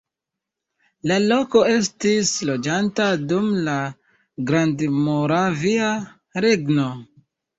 La loko estis loĝata dum la Grandmoravia Regno.